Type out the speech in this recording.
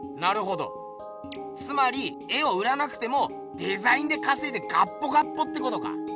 つまり絵を売らなくてもデザインでかせいでガッポガッポってことか。